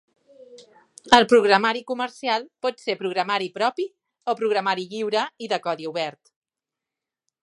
El programari comercial pot ser programari propi o programari lliure i de codi obert.